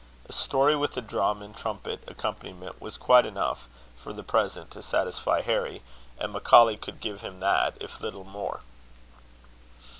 A story with drum and trumpet accompaniment was quite enough, for the present, to satisfy Harry; and Macaulay could give him that, if little more.